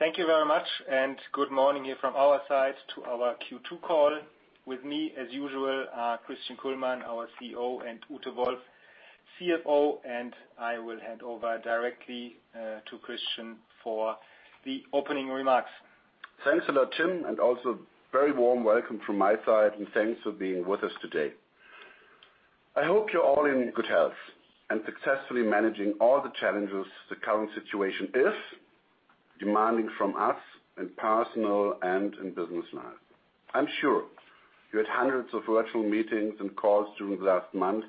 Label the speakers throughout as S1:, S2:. S1: Thank you very much and good morning here from our side to our Q2 call. With me, as usual, Christian Kullmann, our CEO and Ute Wolf, CFO, and I will hand over directly to Christian for the opening remarks.
S2: Thanks a lot, Tim, also very warm welcome from my side and thanks for being with us today. I hope you're all in good health and successfully managing all the challenges the current situation is demanding from us in personal and in business life. I'm sure you had hundreds of virtual meetings and calls during the last month,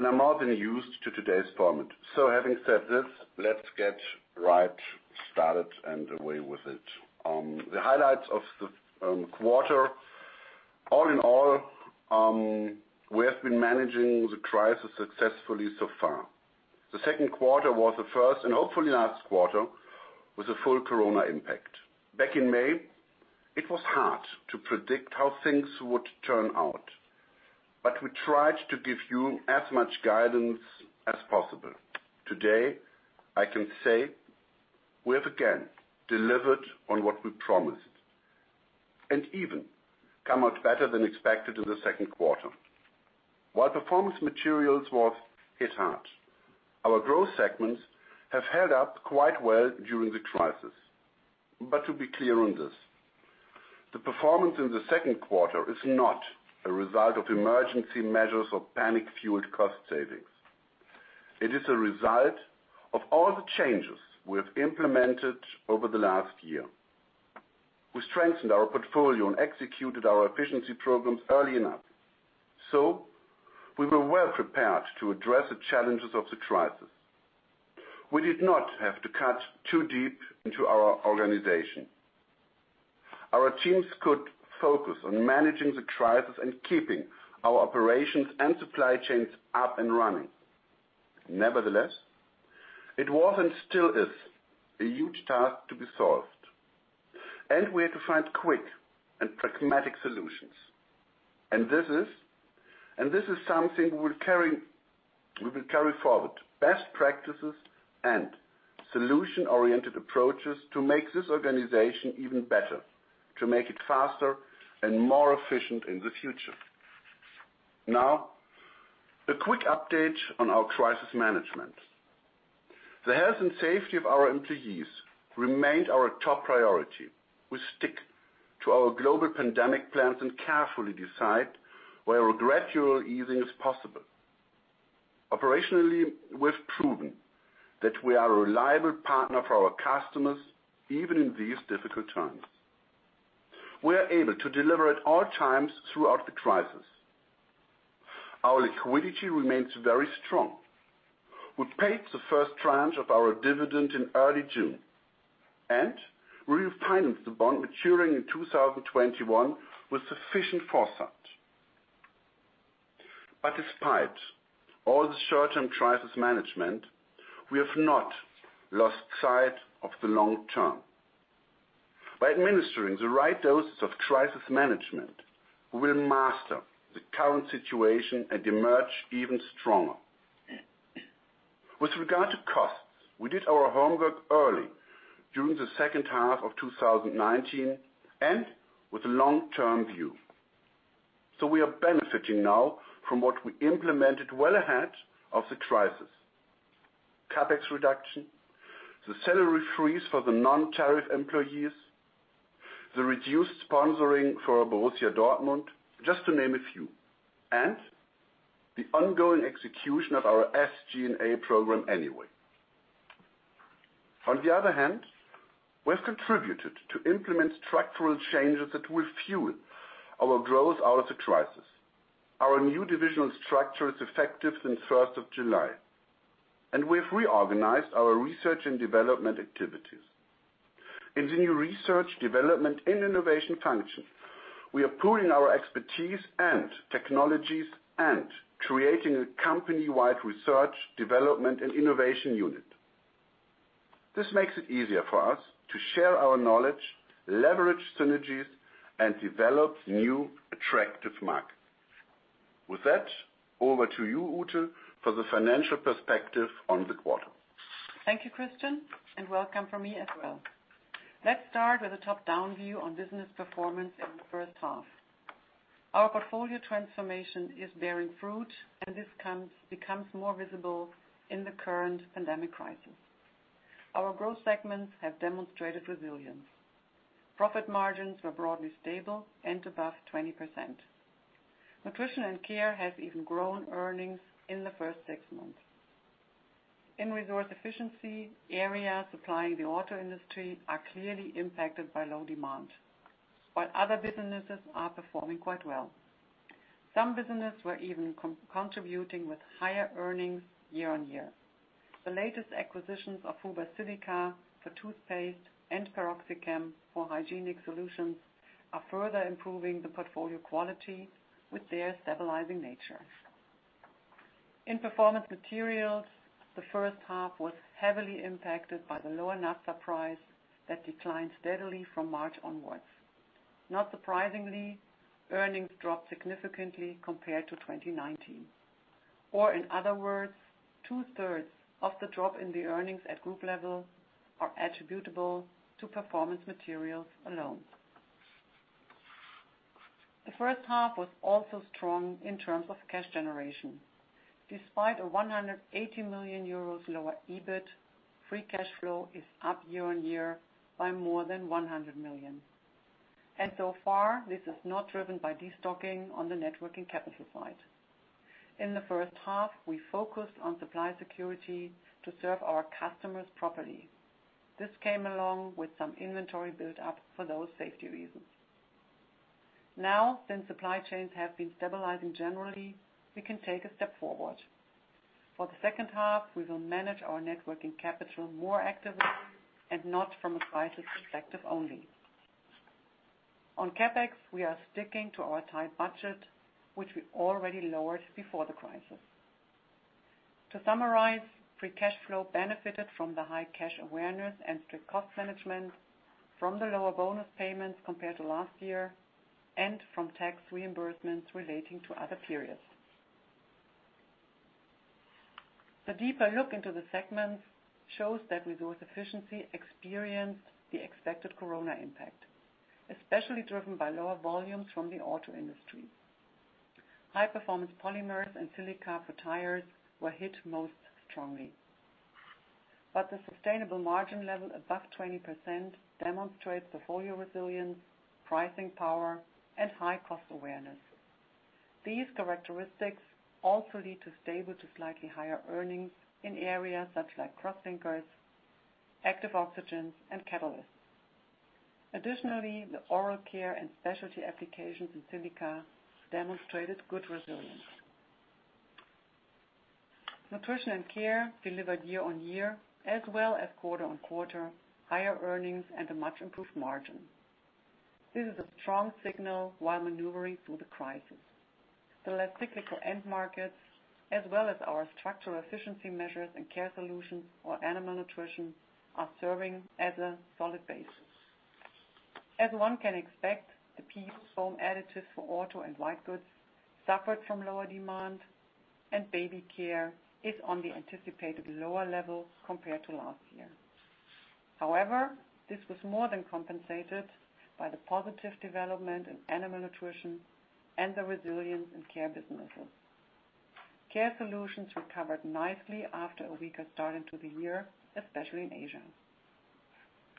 S2: are more than used to today's format. Having said this, let's get right started and away with it. The highlights of the quarter. All in all, we have been managing the crisis successfully so far. The second quarter was the first and hopefully last quarter with the full Corona impact. Back in May, it was hard to predict how things would turn out, we tried to give you as much guidance as possible. Today, I can say we have again delivered on what we promised and even come out better than expected in the second quarter. While Performance Materials was hit hard, our growth segments have held up quite well during the crisis. To be clear on this, the performance in the second quarter is not a result of emergency measures or panic-fueled cost savings. It is a result of all the changes we have implemented over the last year. We strengthened our portfolio and executed our efficiency programs early enough, so we were well-prepared to address the challenges of the crisis. We did not have to cut too deep into our organization. Our teams could focus on managing the crisis and keeping our operations and supply chains up and running. Nevertheless, it was and still is a huge task to be solved, and we had to find quick and pragmatic solutions. This is something we will carry forward. Best practices and solution-oriented approaches to make this organization even better, to make it faster and more efficient in the future. Now, a quick update on our crisis management. The health and safety of our employees remained our top priority. We stick to our global pandemic plans and carefully decide where a gradual easing is possible. Operationally, we've proven that we are a reliable partner for our customers, even in these difficult times. We are able to deliver at all times throughout the crisis. Our liquidity remains very strong. We paid the first tranche of our dividend in early June, and we refinanced the bond maturing in 2021 with sufficient foresight. Despite all the short-term crisis management, we have not lost sight of the long term. By administering the right doses of crisis management, we will master the current situation and emerge even stronger. With regard to costs, we did our homework early during the second half of 2019 and with a long-term view. We are benefiting now from what we implemented well ahead of the crisis. CapEx reduction, the salary freeze for the non-tariff employees, the reduced sponsoring for Borussia Dortmund, just to name a few, and the ongoing execution of our SG&A program anyway. On the other hand, we have contributed to implement structural changes that will fuel our growth out of the crisis. Our new divisional structure is effective since 1st of July, and we have reorganized our research and development activities. In the new research, development, and innovation function, we are pooling our expertise and technologies and creating a company-wide research, development, and innovation unit. This makes it easier for us to share our knowledge, leverage synergies, and develop new attractive markets. With that, over to you, Ute, for the financial perspective on the quarter.
S3: Thank you, Christian, and welcome from me as well. Let's start with a top-down view on business performance in the first half. Our portfolio transformation is bearing fruit and this becomes more visible in the current pandemic crisis. Our growth segments have demonstrated resilience. Profit margins were broadly stable and above 20%. Nutrition & Care has even grown earnings in the first six months. In resource efficiency, areas supplying the auto industry are clearly impacted by low demand, while other businesses are performing quite well. Some businesses were even contributing with higher earnings year-on-year. The latest acquisitions of Huber Silica for toothpaste and PeroxyChem for hygienic solutions are further improving the portfolio quality with their stabilizing nature. In Performance Materials, the first half was heavily impacted by the lower naphtha price that declined steadily from March onwards. Not surprisingly, earnings dropped significantly compared to 2019. In other words, 2/3 of the drop in the earnings at group level are attributable to Performance Materials alone. The first half was also strong in terms of cash generation. Despite a 180 million euros lower EBIT, free cash flow is up year-over-year by more than 100 million. So far, this is not driven by de-stocking on the net working capital side. In the first half, we focused on supply security to serve our customers properly. This came along with some inventory build-up for those safety reasons. Since supply chains have been stabilizing generally, we can take a step forward. For the second half, we will manage our net working capital more actively and not from a crisis perspective only. On CapEx, we are sticking to our tight budget, which we already lowered before the crisis. To summarize, free cash flow benefited from the high cash awareness and strict cost management from the lower bonus payments compared to last year, and from tax reimbursements relating to other periods. A deeper look into the segments shows that resource efficiency experienced the expected corona impact, especially driven by lower volumes from the auto industry. High-performance polymers and Silica for tires were hit most strongly. The sustainable margin level above 20% demonstrates the portfolio resilience, pricing power, and high-cost awareness. These characteristics also lead to stable to slightly higher earnings in areas such like Crosslinkers, Active Oxygens, and Catalysts. Additionally, the Oral Care and specialty applications in Silica demonstrated good resilience. Nutrition & Care delivered year-over-year, as well as quarter-on-quarter, higher earnings and a much improved margin. This is a strong signal while maneuvering through the crisis. The less cyclical end markets, as well as our structural efficiency measures in Care Solutions or Animal Nutrition, are serving as a solid base. As one can expect, the PU foam additives for auto and white goods suffered from lower demand, and Baby Care is on the anticipated lower level compared to last year. However, this was more than compensated by the positive development in Animal Nutrition and the resilience in care businesses. Care Solutions recovered nicely after a weaker start into the year, especially in Asia.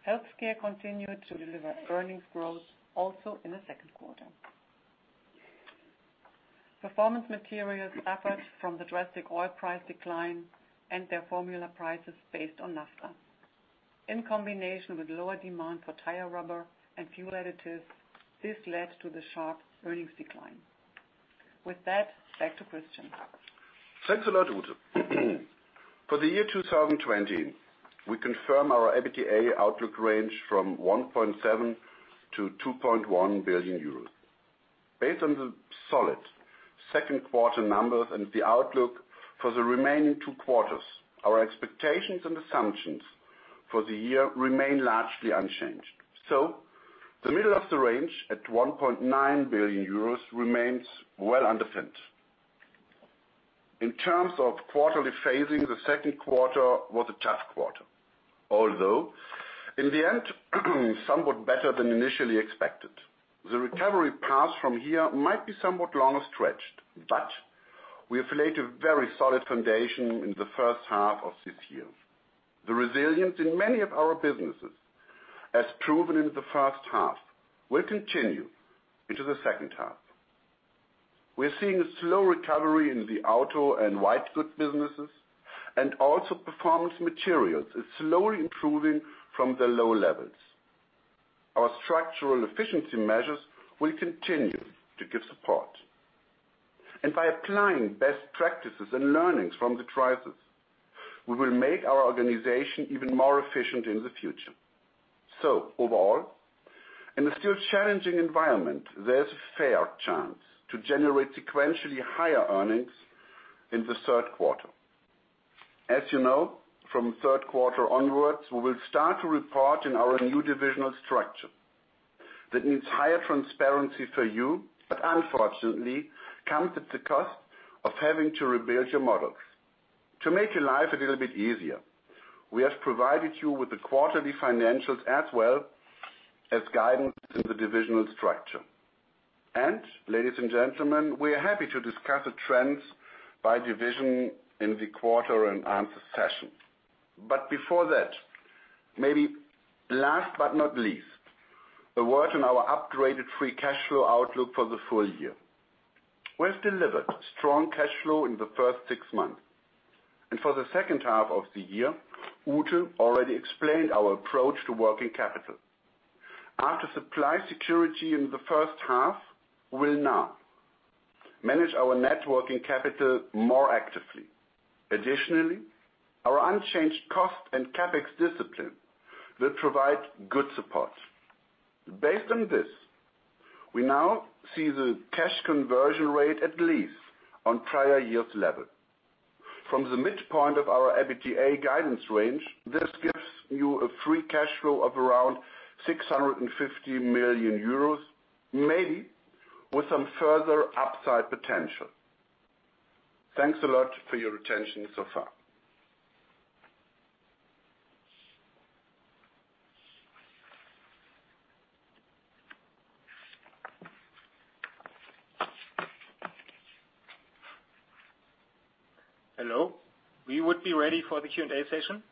S3: Health Care continued to deliver earnings growth also in the second quarter. Performance Materials suffered from the drastic oil price decline and their formula prices based on Naphtha. In combination with lower demand for tire rubber and fuel additives, this led to the sharp earnings decline. With that, back to Christian.
S2: Thanks a lot, Ute. For the year 2020, we confirm our EBITDA outlook range from 1.7 billion-2.1 billion euros. Based on the solid second quarter numbers and the outlook for the remaining two quarters, our expectations and assumptions for the year remain largely unchanged. The middle of the range at 1.9 billion euros remains well underpinned. In terms of quarterly phasing, the second quarter was a tough quarter. Although, in the end, somewhat better than initially expected. The recovery path from here might be somewhat longer stretched, but we have laid a very solid foundation in the first half of this year. The resilience in many of our businesses, as proven in the first half, will continue into the second half. We're seeing a slow recovery in the auto and white good businesses. Also Performance Materials is slowly improving from the low levels. Our structural efficiency measures will continue to give support. By applying best practices and learnings from the crisis, we will make our organization even more efficient in the future. Overall, in the still challenging environment, there's a fair chance to generate sequentially higher earnings in the third quarter. As you know, from third quarter onwards, we will start to report in our new divisional structure. That means higher transparency for you, but unfortunately comes at the cost of having to rebuild your models. To make your life a little bit easier, we have provided you with the quarterly financials as well as guidance in the divisional structure. Ladies and gentlemen, we are happy to discuss the trends by division in the quarter and answer sessions. Before that, maybe last but not least, a word on our upgraded free cash flow outlook for the full year. We have delivered strong cash flow in the first six months. For the second half of the year, Ute already explained our approach to net working capital. After supply security in the first half, we'll now manage our net working capital more actively. Additionally, our unchanged cost and CapEx discipline will provide good support. Based on this, we now see the cash conversion rate at least on prior year's level. From the midpoint of our EBITDA guidance range, this gives you a free cash flow of around 650 million euros, maybe with some further upside potential. Thanks a lot for your attention so far.
S1: Hello. We would be ready for the Q&A session.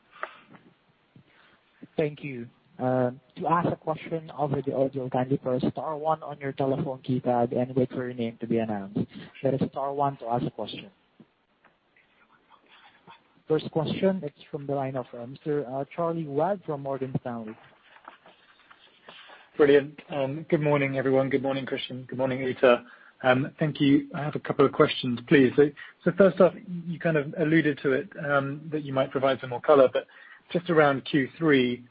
S4: Thank you. To ask a question over the audio, kindly press star one on your telephone keypad and wait for your name to be announced. That is star one to ask a question. First question, it is from the line of Mr. Charlie Webb from Morgan Stanley.
S5: Brilliant. Good morning, everyone. Good morning, Christian. Good morning, Ute. Thank you. I have a couple of questions, please. First off, you kind of alluded to it, that you might provide some more color, just around Q3,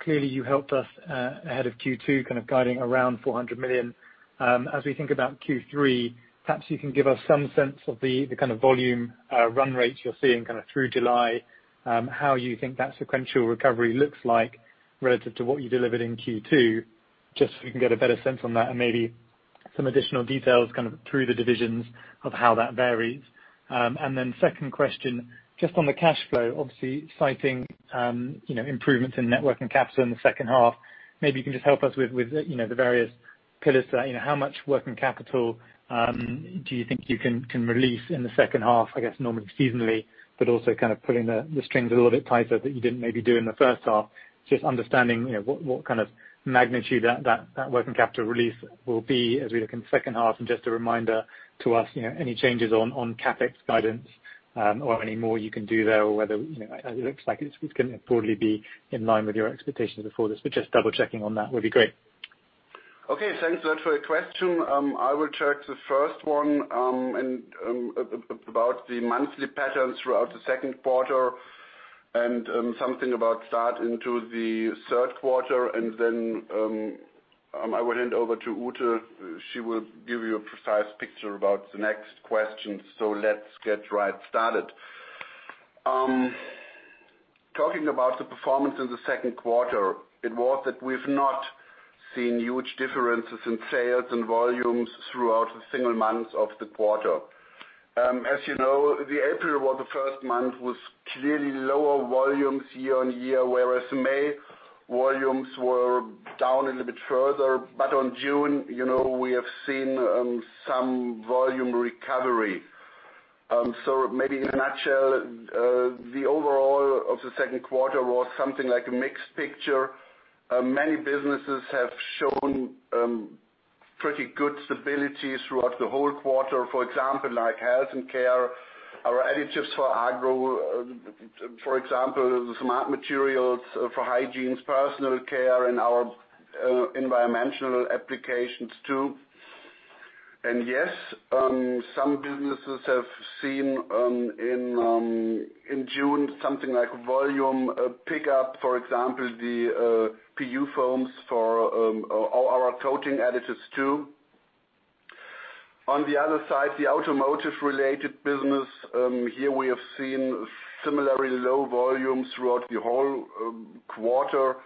S5: clearly you helped us ahead of Q2, kind of guiding around 400 million. As we think about Q3, perhaps you can give us some sense of the kind of volume run rates you're seeing through July, how you think that sequential recovery looks like relative to what you delivered in Q2, just so we can get a better sense on that and maybe some additional details through the divisions of how that varies. Second question, just on the cash flow, obviously citing improvements in net working capital in the second half. Maybe you can just help us with the various pillars there. How much working capital do you think you can release in the second half, I guess normally seasonally, but also kind of pulling the strings a little bit tighter that you didn't maybe do in the first half? Just understanding what kind of magnitude that working capital release will be as we look in the second half. Just a reminder to us, any changes on CapEx guidance, or any more you can do there, or whether it looks like it's going to probably be in line with your expectations before this, but just double checking on that would be great.
S2: Okay. Thanks a lot for your question. I will check the first one about the monthly patterns throughout the second quarter and something about start into the third quarter, and then I will hand over to Ute. She will give you a precise picture about the next question. Let's get right started. Talking about the performance in the second quarter, it was that we've not seen huge differences in sales and volumes throughout the single months of the quarter. As you know, the April was the first month, was clearly lower volumes year-on-year, whereas May volumes were down a little bit further. On June, we have seen some volume recovery. Maybe in a nutshell, the overall of the second quarter was something like a mixed picture. Many businesses have shown pretty good stability throughout the whole quarter, for example, like Health Care, our additives for agro, for example, the Smart Materials for hygiene, personal care, and our environmental applications, too. Yes, some businesses have seen in June something like volume pickup, for example, the PU foams for our coating additives, too. On the other side, the automotive-related business, here we have seen similarly low volume throughout the whole quarter.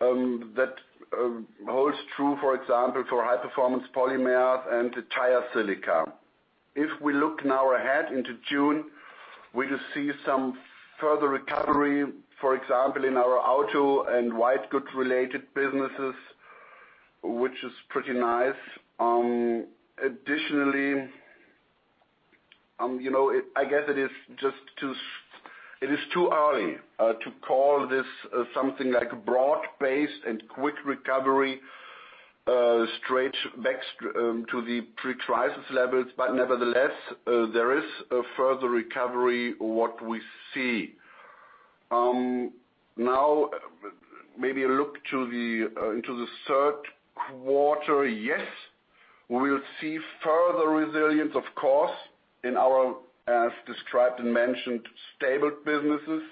S2: That holds true, for example, for high-performance polymers and tire silica. If we look now ahead into June, we will see some further recovery, for example, in our auto and white good related businesses, which is pretty nice. Additionally, I guess it is too early to call this something like broad-based and quick recovery straight back to the pre-crisis levels. Nevertheless, there is a further recovery, what we see. Now, maybe a look into the third quarter. Yes, we'll see further resilience, of course, in our, as described and mentioned, stable businesses,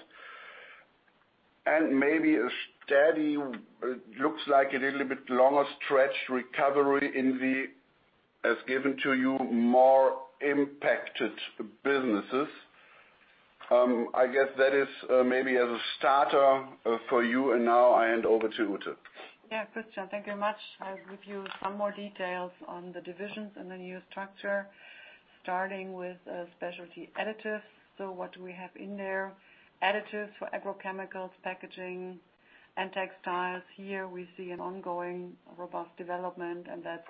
S2: and maybe a steady, looks like a little bit longer stretch recovery in the, as given to you, more impacted businesses. I guess that is maybe as a starter for you. Now I hand over to Ute.
S3: Christian, thank you much. I'll give you some more details on the divisions and the new structure, starting with Specialty Additives. What do we have in there? Additives for agrochemicals, packaging, and textiles. Here we see an ongoing robust development, and that's,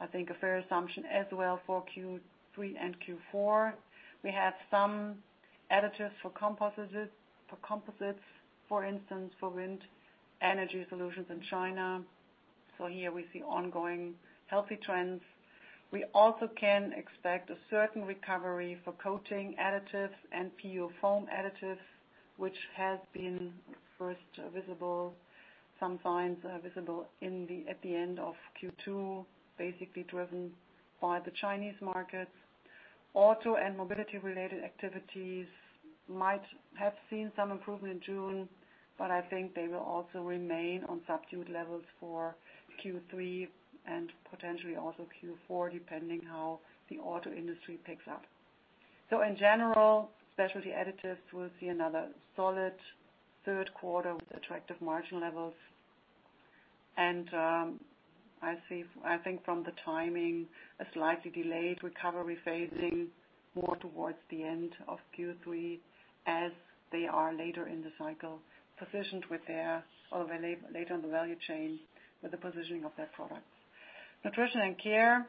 S3: I think, a fair assumption as well for Q3 and Q4. We have some additives for composites, for instance, for wind energy solutions in China. Here we see ongoing healthy trends. We also can expect a certain recovery for coating additives and PU foam additives, which has been first visible, some signs visible at the end of Q2, basically driven by the Chinese markets. Auto and mobility-related activities might have seen some improvement in June, but I think they will also remain on subdued levels for Q3 and potentially also Q4, depending how the auto industry picks up. In general, Specialty Additives will see another solid third quarter with attractive margin levels. I think from the timing, a slightly delayed recovery phasing more towards the end of Q3 as they are later in the cycle, positioned later in the value chain with the positioning of their products. Nutrition & Care,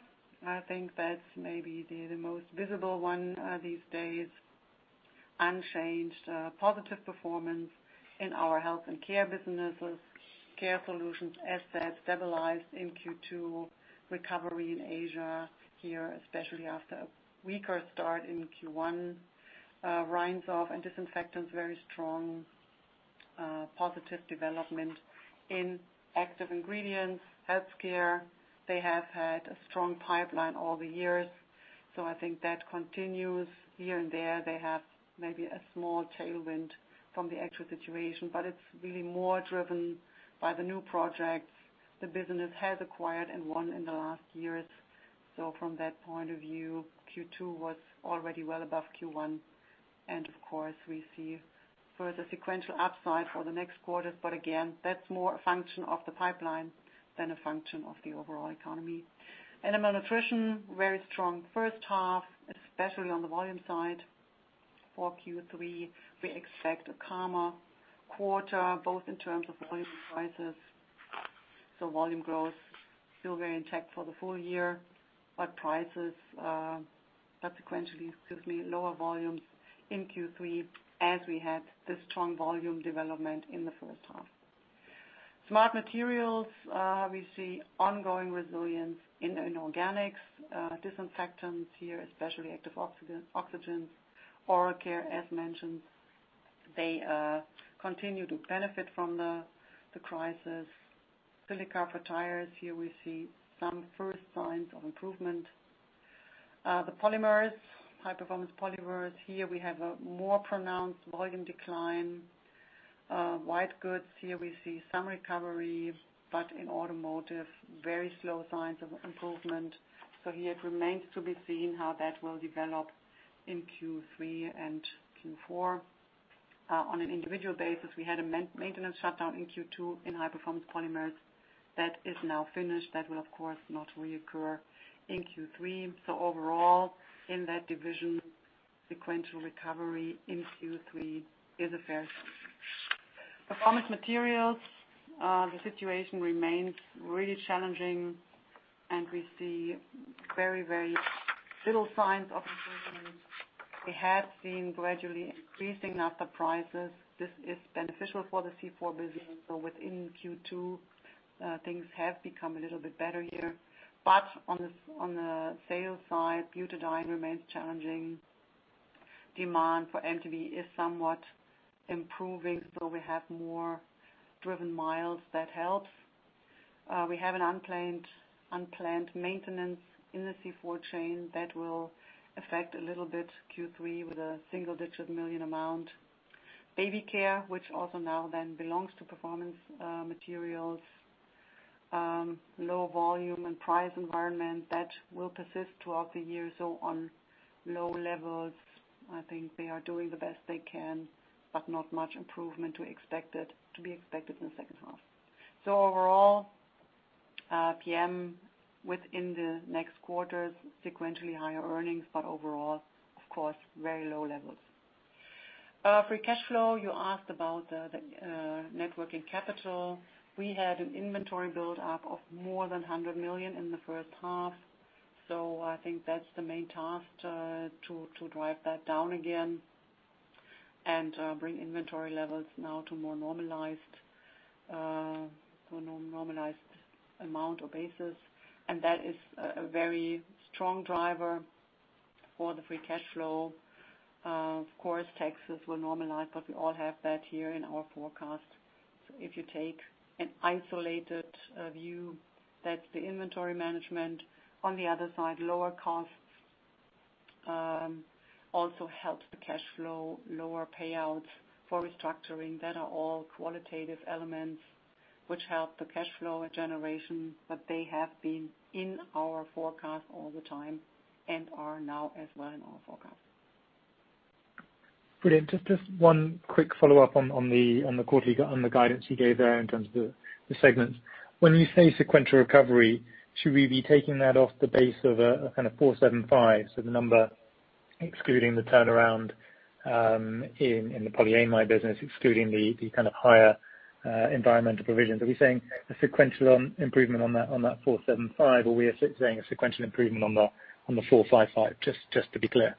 S3: I think that's maybe the most visible one these days. Unchanged positive performance in our health and care businesses. Care Solutions, assets stabilized in Q2, recovery in Asia here, especially after a weaker start in Q1. [REWOFERM] and disinfectants, very strong positive development in active ingredients. Health Care, they have had a strong pipeline all the years, so I think that continues. Here and there, they have maybe a small tailwind from the actual situation, but it's really more driven by the new projects the business has acquired and won in the last years. From that point of view, Q2 was already well above Q1, and of course, we see further sequential upside for the next quarters. Again, that's more a function of the pipeline than a function of the overall economy. Animal Nutrition, very strong first half, especially on the volume side. For Q3, we expect a calmer quarter, both in terms of volume and prices. Volume growth still very intact for the full year, but prices subsequently, excuse me, lower volumes in Q3 as we had the strong volume development in the first half. Smart Materials, we see ongoing resilience in inorganics. Disinfectants here, especially Active Oxygens. Oral care, as mentioned, they continue to benefit from the crisis. Silica for tires, here we see some first signs of improvement. The high-performance polymers, here we have a more pronounced volume decline. White goods, here we see some recovery, in automotive, very little signs of improvement. Here it remains to be seen how that will develop in Q3 and Q4. On an individual basis, we had a maintenance shutdown in Q2 in high-performance polymers. That is now finished. That will, of course, not reoccur in Q3. Overall, in that division, sequential recovery in Q3 is a fair assumption. Performance Materials, the situation remains really challenging, we see very little signs of improvement. We have seen gradually increasing naphtha prices. This is beneficial for the C4 business. Within Q2, things have become a little bit better here. On the sales side, butadiene remains challenging. Demand for MTBE is somewhat improving, we have more driven miles. That helps. We have an unplanned maintenance in the C4 chain that will affect a little bit Q3 with a single-digit million amount. Baby Care, which also now then belongs to Performance Materials, low volume and price environment, that will persist throughout the year. On low levels, I think they are doing the best they can, not much improvement to be expected in the second half. Overall, PM within the next quarters, sequentially higher earnings, overall, of course, very low levels. Free cash flow, you asked about the net working capital. We had an inventory buildup of more than 100 million in the first half. I think that's the main task, to drive that down again and bring inventory levels now to more normalized amount or basis, and that is a very strong driver for the free cash flow. Of course, taxes will normalize, but we all have that here in our forecast. If you take an isolated view, that's the inventory management. On the other side, lower costs also helps the cash flow, lower payouts for restructuring. That are all qualitative elements which help the cash flow generation, but they have been in our forecast all the time and are now as well in our forecast.
S5: Brilliant. One quick follow-up on the guidance you gave there in terms of the segments. When you say sequential recovery, should we be taking that off the base of a kind of 475 million, so the number excluding the turnaround, in the polyamide business, excluding the kind of higher environmental provisions? Are we saying a sequential improvement on that 475 million, or we are saying a sequential improvement on the 455 million? To be clear.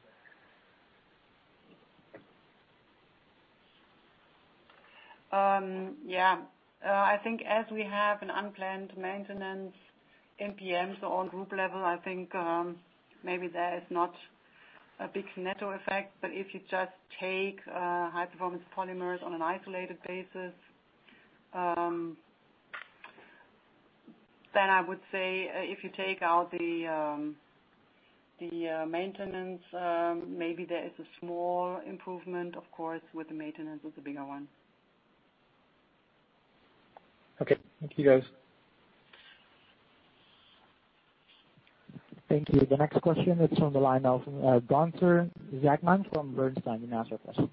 S3: Yeah. I think as we have an unplanned maintenance in PM, so on group level, I think maybe there is not a big net effect. If you just take high-performance polymers on an isolated basis, then I would say if you take out the maintenance, maybe there is a small improvement. Of course, with the maintenance, it's a bigger one.
S5: Okay. Thank you, guys.
S4: Thank you. The next question is from the line of Gunther Zechmann from Bernstein Research.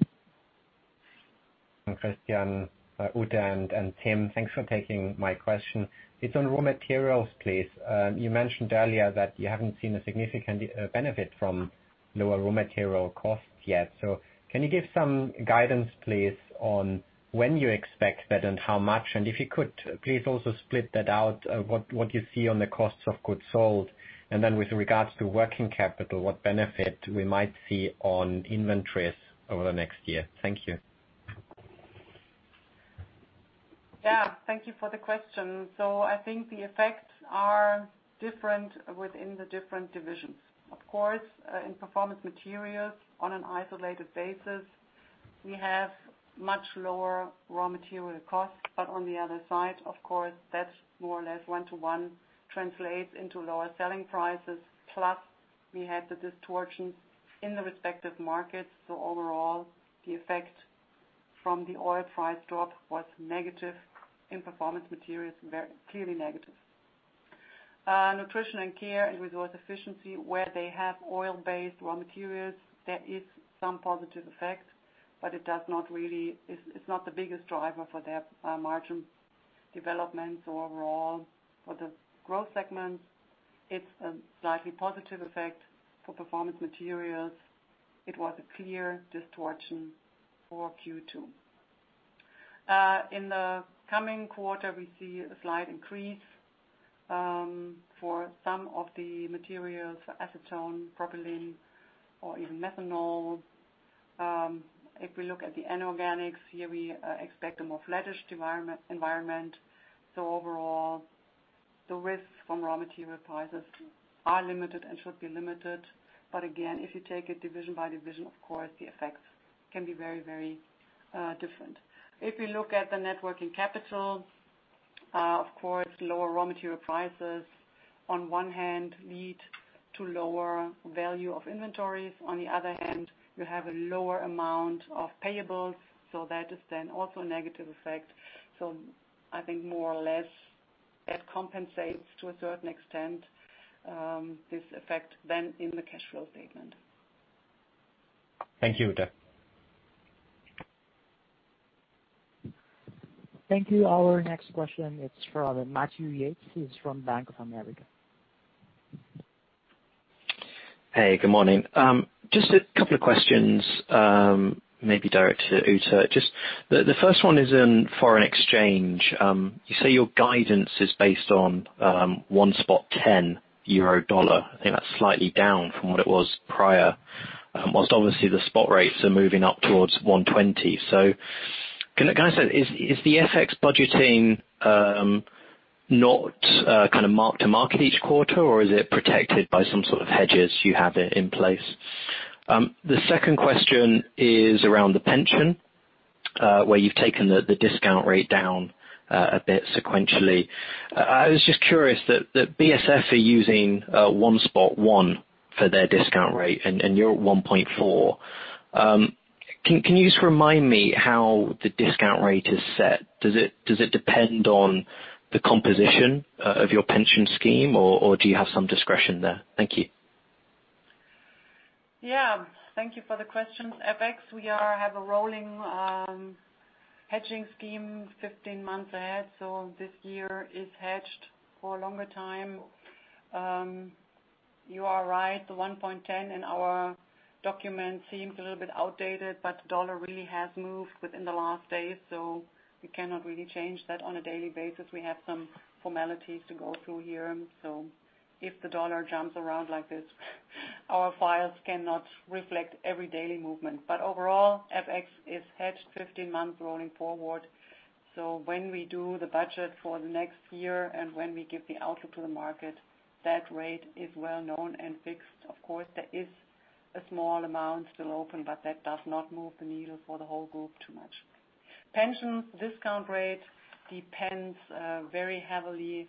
S6: Christian, Ute, and Tim, thanks for taking my question. It's on raw materials, please. You mentioned earlier that you haven't seen a significant benefit from lower raw material costs yet. Can you give some guidance, please, on when you expect that and how much? If you could, please also split that out, what you see on the costs of goods sold, and then with regards to working capital, what benefit we might see on inventories over the next year. Thank you.
S3: Thank you for the question. I think the effects are different within the different divisions. Of course, in Performance Materials, on an isolated basis, we have much lower raw material costs. On the other side, of course, that more or less one-to-one translates into lower selling prices. We had the distortions in the respective markets, so overall, the effect from the oil price drop was negative. In Performance Materials, very clearly negative. Nutrition & Care and Resource Efficiency, where they have oil-based raw materials, there is some positive effect, but it's not the biggest driver for their margin development overall. For the growth segments, it's a slightly positive effect. For Performance Materials, it was a clear distortion for Q2. In the coming quarter, we see a slight increase for some of the materials, acetone, propylene, or even methanol. If we look at the inorganics, here we expect a more flattish environment. Overall, the risk from raw material prices are limited and should be limited. Again, if you take it division by division, of course, the effects can be very different. If we look at the net working capital, of course, lower raw material prices, on one hand, lead to lower value of inventories. On the other hand, you have a lower amount of payables, so that is then also a negative effect. I think more or less, that compensates to a certain extent, this effect then in the cash flow statement.
S6: Thank you, Ute.
S4: Thank you. Our next question, it's from Matthew Yates, he's from Bank of America.
S7: Hey, good morning. A couple of questions, maybe directed to Ute. The first one is on foreign exchange. You say your guidance is based on 1.10 euro dollar. I think that's slightly down from what it was prior. Whilst obviously the spot rates are moving up towards 1.20. Is the FX budgeting not kind of mark-to-market each quarter, or is it protected by some sort of hedges you have in place? The second question is around the pension, where you've taken the discount rate down a bit sequentially. I was just curious that BASF are using 1.1 for their discount rate, and you're at 1.4. Can you just remind me how the discount rate is set? Does it depend on the composition of your pension scheme, or do you have some discretion there? Thank you.
S3: Thank you for the question. FX, we have a rolling hedging scheme 15 months ahead. This year is hedged for a longer time. You are right, the 1.10 in our document seems a little bit outdated, but the U.S. dollar really has moved within the last days, so we cannot really change that on a daily basis. We have some formalities to go through here. If the U.S. dollar jumps around like this our files cannot reflect every daily movement. Overall, FX is hedged 15 months rolling forward. When we do the budget for the next year and when we give the outlook to the market, that rate is well known and fixed. Of course, there is a small amount still open, but that does not move the needle for the whole group too much. Pension discount rate depends very heavily on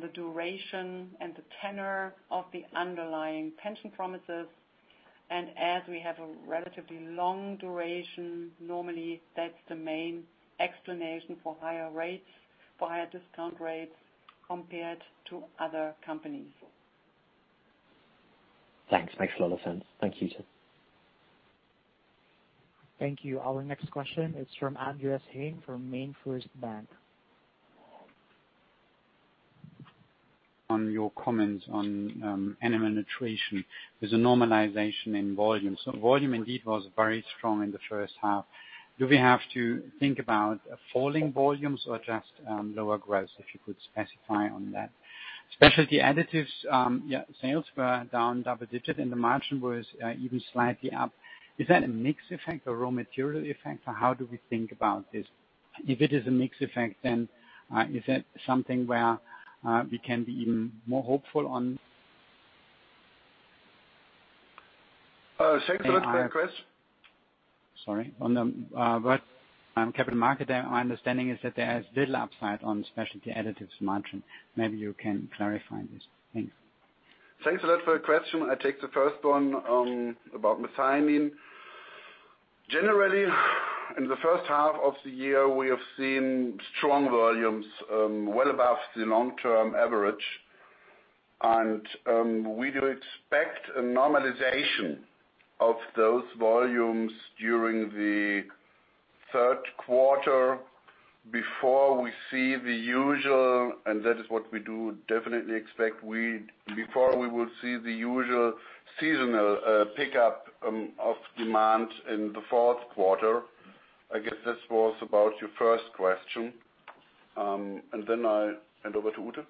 S3: the duration and the tenure of the underlying pension promises. As we have a relatively long duration, normally, that's the main explanation for higher discount rates compared to other companies.
S7: Thanks. Makes a lot of sense. Thank you.
S4: Thank you. Our next question is from Andreas Heine from MainFirst Bank.
S8: On your comments on Animal Nutrition, there's a normalization in volume. Volume indeed was very strong in the first half. Do we have to think about falling volumes or just lower growth, if you could specify on that? Specialty Additives, sales were down double-digit and the margin was even slightly up. Is that a mix effect or raw material effect, or how do we think about this? If it is a mix effect, then is that something where we can be even more hopeful on-
S2: Say that again, please.
S8: Sorry. On the capital market, my understanding is that there is little upside on Specialty Additives margin. Maybe you can clarify this. Thanks.
S2: Thanks a lot for the question. I take the first one about methionine. Generally, in the first half of the year, we have seen strong volumes, well above the long-term average. We do expect a normalization of those volumes during the third quarter before we see the usual, and that is what we do definitely expect, before we will see the usual seasonal pickup of demand in the fourth quarter. I guess this was about your first question, I hand over to Ute.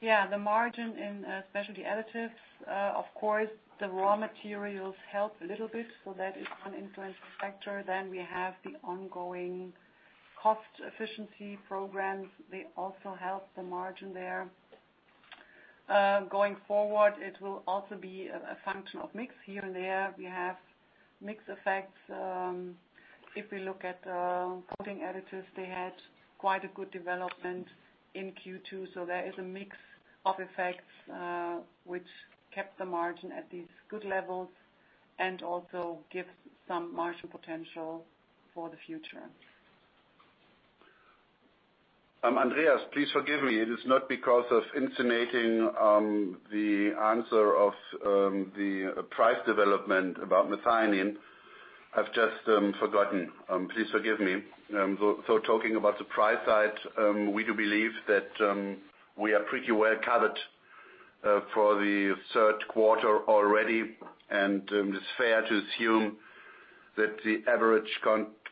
S3: Yeah. The margin in Specialty Additives, of course, the raw materials help a little bit. That is one influencing factor. We have the ongoing cost efficiency programs. They also help the margin there. Going forward, it will also be a function of mix. Here and there, we have mix effects. If we look at the coating additives, they had quite a good development in Q2. There is a mix of effects, which kept the margin at these good levels and also gives some margin potential for the future.
S2: Andreas, please forgive me. It is not because of insinuating the answer of the price development about methionine. I've just forgotten. Please forgive me. Talking about the price side, we do believe that we are pretty well-covered for the third quarter already, and it's fair to assume that the average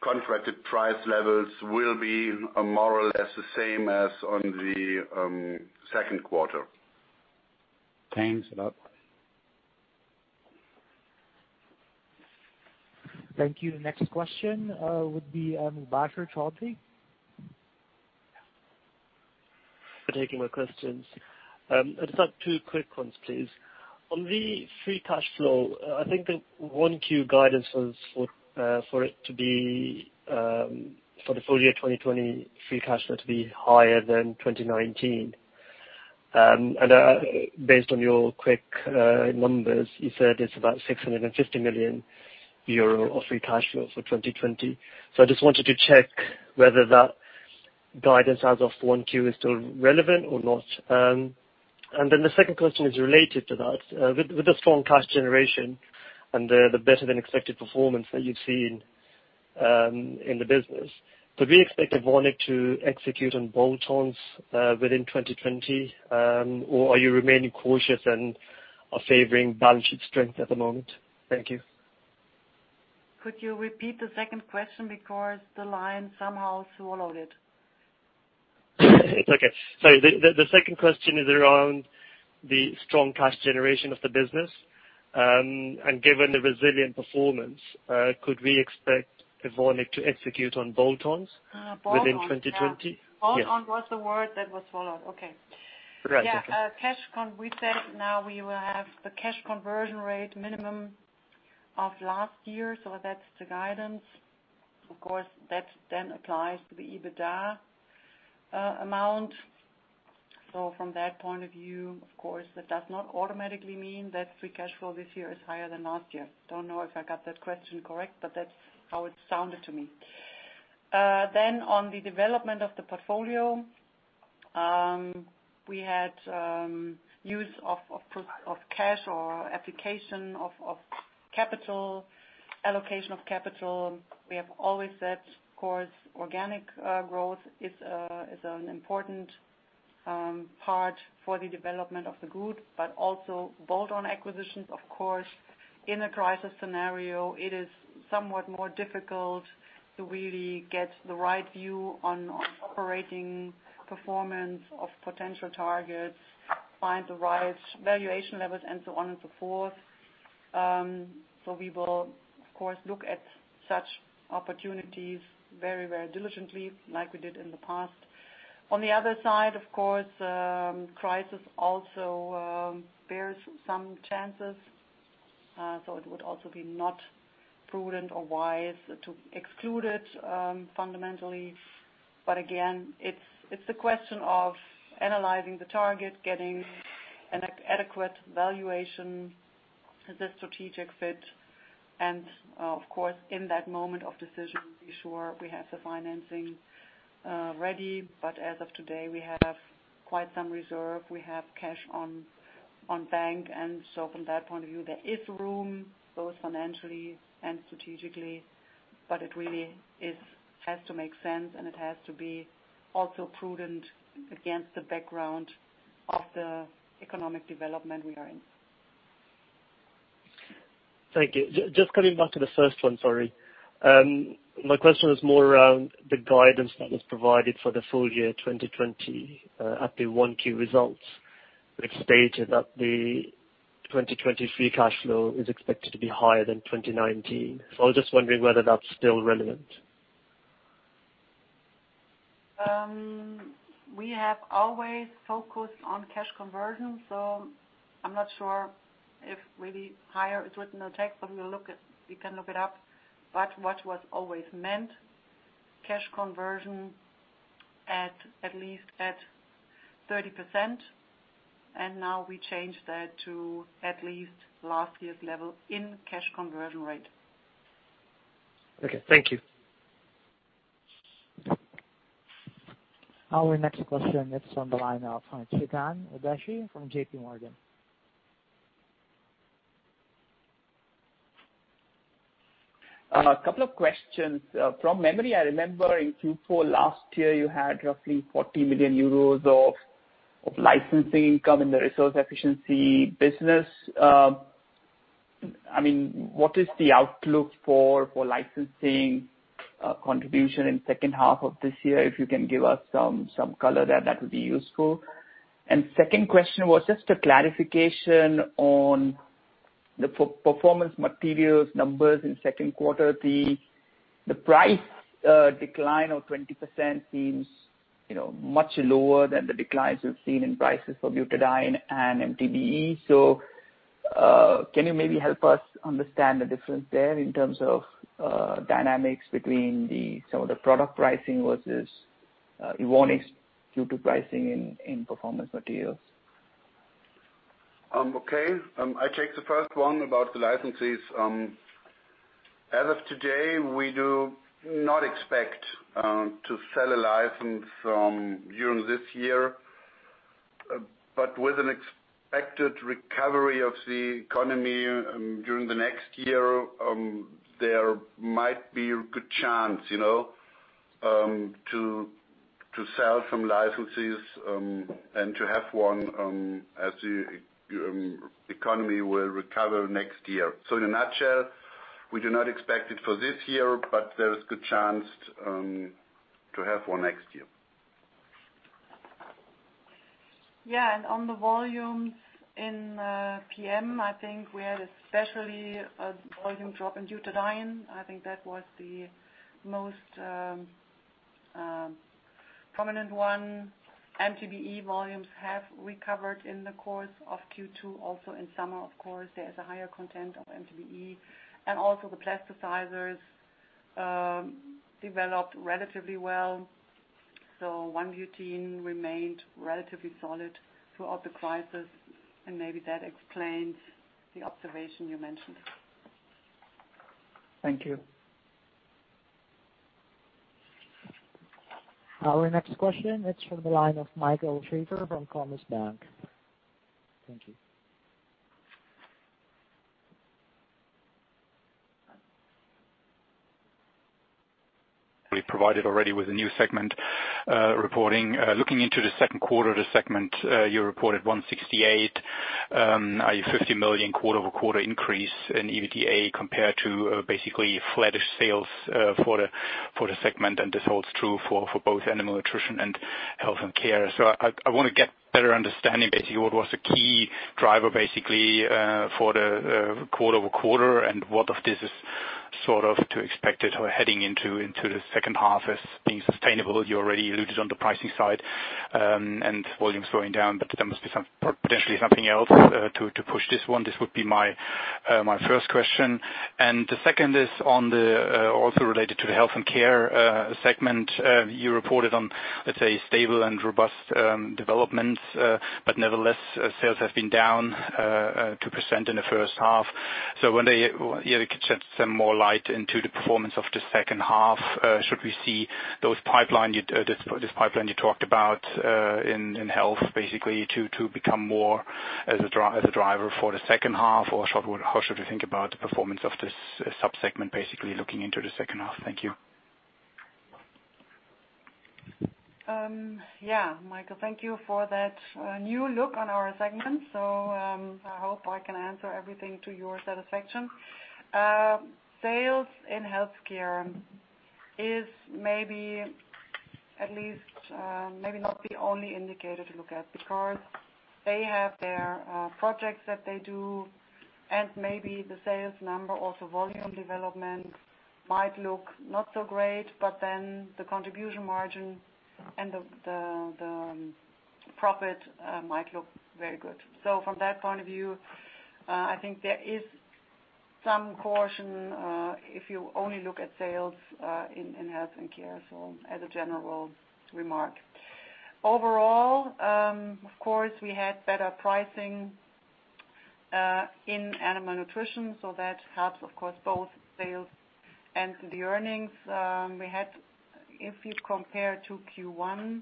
S2: contracted price levels will be more or less the same as on the second quarter.
S8: Thanks a lot.
S4: Thank you. The next question would be Mubasher Chaudhry.
S9: For taking my questions. I just have two quick ones, please. On the free cash flow, I think the 1Q guidance was for the full year 2020 free cash flow to be higher than 2019. Based on your quick numbers, you said it's about 650 million euro of free cash flow for 2020. I just wanted to check whether that guidance as of 1Q is still relevant or not. The second question is related to that. With the strong cash generation and the better-than-expected performance that you've seen in the business, could we expect Evonik to execute on bolt-ons within 2020? Are you remaining cautious and are favoring balance sheet strength at the moment? Thank you.
S3: Could you repeat the second question because the line somehow swallowed it?
S9: It's okay. Sorry. The second question is around the strong cash generation of the business. Given the resilient performance, could we expect Evonik to execute on bolt-ons?
S3: Bolt-ons.
S9: Within 2020? Yeah.
S3: Bolt-on was the word that was swallowed. Okay.
S9: Right. Okay.
S3: We said now we will have the cash conversion rate minimum of last year, that's the guidance. Of course, that applies to the EBITDA amount. From that point of view, of course, that does not automatically mean that free cash flow this year is higher than last year. Don't know if I got that question correct, but that's how it sounded to me. On the development of the portfolio, we had use of cash or allocation of capital. We have always said, of course, organic growth is an important part for the development of the group, but also bolt-on acquisitions, of course. In a crisis scenario, it is somewhat more difficult to really get the right view on operating performance of potential targets, find the right valuation levels, and so on and so forth. We will, of course, look at such opportunities very diligently, like we did in the past. On the other side, of course, crisis also bears some chances. It would also be not prudent or wise to exclude it fundamentally. Again, it's a question of analyzing the target, getting an adequate valuation, the strategic fit, and, of course, in that moment of decision, be sure we have the financing ready. As of today, we have quite some reserve. We have cash on bank. From that point of view, there is room, both financially and strategically, but it really has to make sense, and it has to be also prudent against the background of the economic development we are in.
S9: Thank you. Just coming back to the first one, sorry. My question is more around the guidance that was provided for the full year 2020 at the 1Q results, which stated that the 2020 free cash flow is expected to be higher than 2019. I was just wondering whether that's still relevant.
S3: We have always focused on cash conversion, so I'm not sure if really higher is written on text, but we can look it up. But what was always meant, cash conversion. At least at 30%. Now we changed that to at least last year's level in cash conversion rate.
S9: Okay. Thank you.
S4: Our next question is on the line now from Chetan Udeshi from JPMorgan.
S10: A couple of questions. From memory, I remember in Q4 last year, you had roughly 40 million euros of license income in the Resource Efficiency business. What is the outlook for licensing contribution in second half of this year? If you can give us some color there, that would be useful. Second question was just a clarification on the Performance Materials numbers in second quarter. The price decline of 20% seems much lower than the declines we've seen in prices for butadiene and MTBE. Can you maybe help us understand the difference there in terms of dynamics between some of the product pricing versus Evonik's butadiene pricing in Performance Materials?
S2: Okay. I take the first one about the licenses. As of today, we do not expect to sell a license during this year. With an expected recovery of the economy during the next year, there might be a good chance to sell some licenses, and to have one, as the economy will recover next year. In a nutshell, we do not expect it for this year, but there is good chance to have one next year.
S3: Yeah. On the volumes in PM, I think we had especially a volume drop in butadiene. I think that was the most prominent one. MTBE volumes have recovered in the course of Q2, also in summer, of course. There is a higher content of MTBE. Also the plasticizers developed relatively well. 1-butene remained relatively solid throughout the crisis, and maybe that explains the observation you mentioned.
S10: Thank you.
S4: Our next question is from the line of Michael Schäfer from Commerzbank. Thank you.
S11: We're provided already with the new segment reporting. Looking into the second quarter of the segment, you reported 168 million, a 50 million quarter-over-quarter increase in EBITDA compared to basically flattish sales for the segment. This holds true for both Animal Nutrition and Health Care. I want to get better understanding basically what was the key driver basically, for the quarter-over-quarter, and what of this is sort of to expected or heading into the second half as being sustainable. You already alluded on the pricing side, and volumes going down, there must be potentially something else to push this one. This would be my first question. The second is also related to the Health Care segment. You reported on, let's say, stable and robust developments. Nevertheless, sales have been down 2% in the first half. Wonder if you could shed some more light into the performance of the second half? Should we see this pipeline you talked about in health basically to become more as a driver for the second half? Or how should we think about the performance of this sub-segment, basically looking into the second half? Thank you.
S3: Yeah, Michael, thank you for that new look on our segment. I hope I can answer everything to your satisfaction. Sales in Health Care is maybe at least, maybe not the only indicator to look at, because they have their projects that they do, and maybe the sales number or the volume development might look not so great, but then the contribution margin and the profit might look very good. From that point of view, I think there is some caution, if you only look at sales in Health Care, so as a general remark. Overall, of course, we had better pricing in Animal Nutrition, so that helps, of course, both sales and the earnings. We had, if you compare to Q1,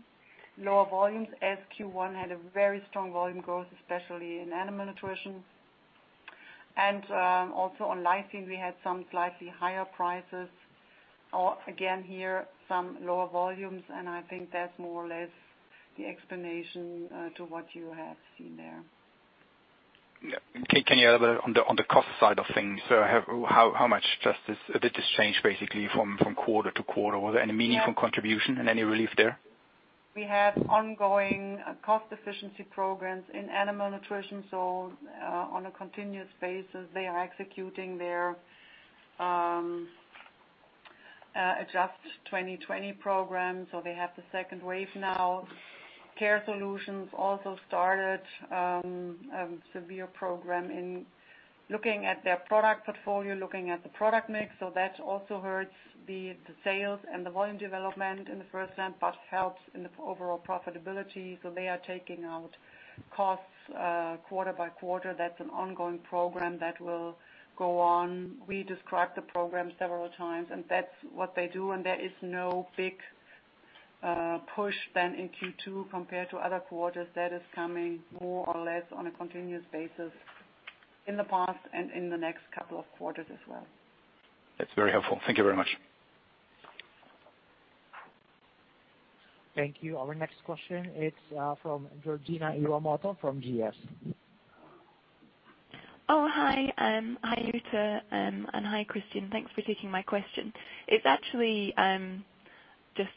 S3: lower volumes as Q1 had a very strong volume growth, especially in Animal Nutrition. Also on licensing, we had some slightly higher prices. Again here, some lower volumes, and I think that's more or less the explanation to what you have seen there.
S11: Yeah. Can you elaborate on the cost side of things? How much did this change basically from quarter-to-quarter? Was there any meaningful contribution and any relief there?
S3: We have ongoing cost efficiency programs in Animal Nutrition. On a continuous basis, they are executing their Adjust 2020 program. They have the second wave now. Care Solutions also started a severe program in looking at their product portfolio, looking at the product mix. That also hurts the sales and the volume development in the first half, but helps in the overall profitability. They are taking out costs quarter by quarter. That's an ongoing program that will go on. We described the program several times, and that's what they do, and there is no big push then in Q2 compared to other quarters. That is coming more or less on a continuous basis in the past and in the next couple of quarters as well.
S11: That's very helpful. Thank you very much.
S4: Thank you. Our next question, it's from Georgina Iwamoto from GS.
S12: Hi Ute, and hi Christian. Thanks for taking my question. It actually just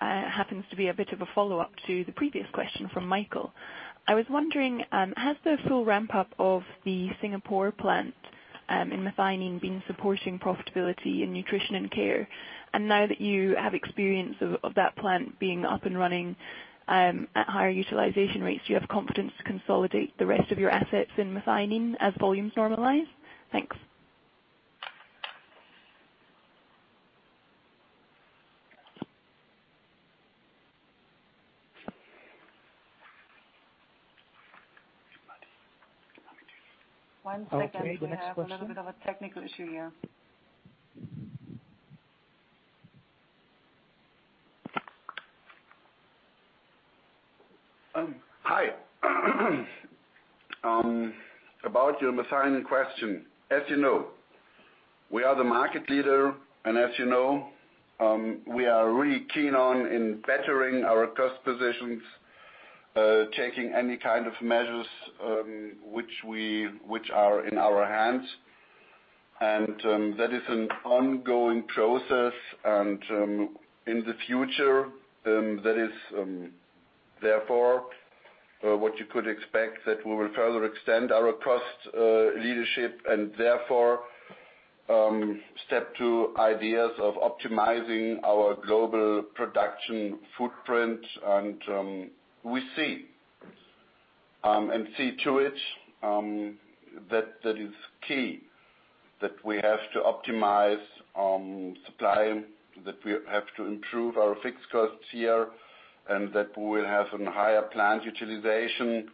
S12: happens to be a bit of a follow-up to the previous question from Michael. I was wondering, has the full ramp-up of the Singapore plant in methionine been supporting profitability in Nutrition & Care? Now that you have experience of that plant being up and running at higher utilization rates, do you have confidence to consolidate the rest of your assets in methionine as volumes normalize? Thanks.
S3: One second.
S4: Okay, the next question.
S3: We have a little bit of a technical issue here.
S2: Hi. About your methionine question. As you know, we are the market leader, and as you know, we are really keen on bettering our cost positions, taking any kind of measures which are in our hands. That is an ongoing process, and in the future, that is therefore what you could expect, that we will further extend our cost leadership and therefore step to ideas of optimizing our global production footprint. We see to it that is key, that we have to optimize supply, that we have to improve our fixed costs here, and that we will have some higher plant utilization.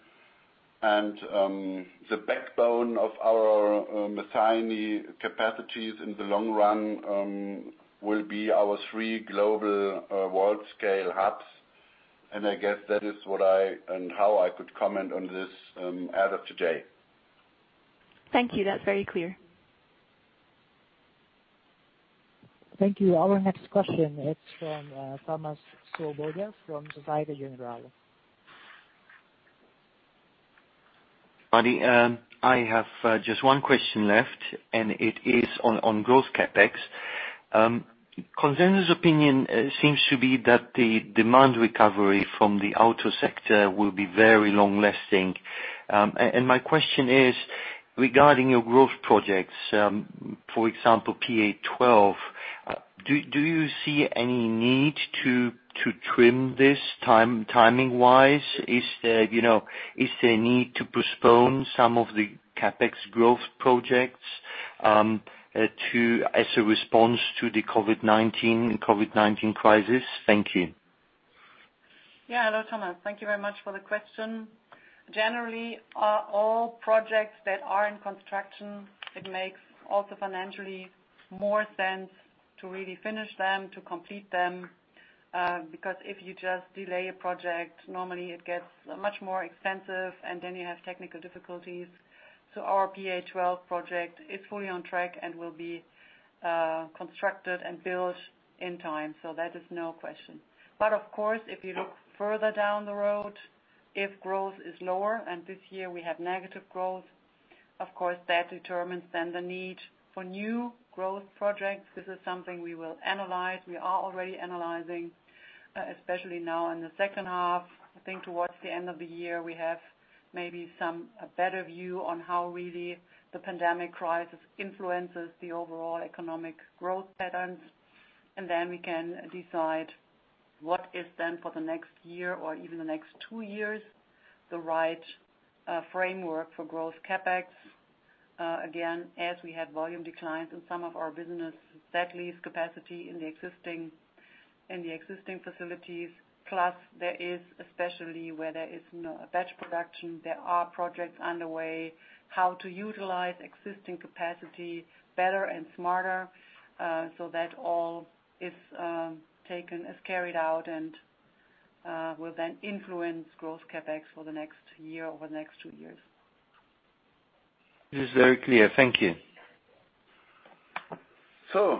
S2: The backbone of our methionine capacities in the long run will be our three global world-scale hubs. I guess that is what I and how I could comment on this as of today.
S12: Thank you. That's very clear.
S4: Thank you. Our next question is from Thomas Swoboda from Société Générale.
S13: Hi there. I have just one question left, and it is on growth CapEx. Consensus opinion seems to be that the demand recovery from the auto sector will be very long-lasting. My question is regarding your growth projects, for example, PA12, do you see any need to trim this timing-wise? Is there a need to postpone some of the CapEx growth projects as a response to the COVID-19 crisis? Thank you.
S3: Hello, Thomas. Thank you very much for the question. Generally, all projects that are in construction, it makes also financially more sense to really finish them, to complete them, because if you just delay a project, normally it gets much more expensive and then you have technical difficulties. Our PA12 project is fully on track and will be constructed and built in time. That is no question. Of course, if you look further down the road, if growth is lower, and this year we have negative growth, of course, that determines then the need for new growth projects. This is something we will analyze. We are already analyzing, especially now in the second half. I think towards the end of the year, we have maybe some better view on how really the pandemic crisis influences the overall economic growth patterns. Then we can decide what is then for the next year or even the next two years, the right framework for growth CapEx. Again, as we had volume declines in some of our business, that leaves capacity in the existing facilities. There is especially where there is batch production, there are projects underway how to utilize existing capacity better and smarter. So that all is carried out and will then influence growth CapEx for the next year or the next two years.
S13: It is very clear. Thank you.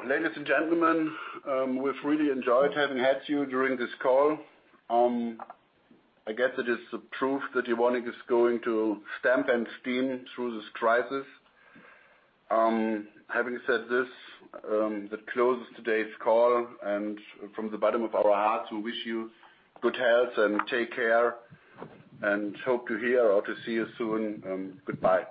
S2: Ladies and gentlemen, we've really enjoyed having had you during this call. I guess it is proof that Evonik is going to stamp and steam through this crisis. Having said this, that closes today's call, and from the bottom of our hearts, we wish you good health and take care, and hope to hear or to see you soon. Goodbye.